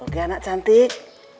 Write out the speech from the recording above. oke anak cantik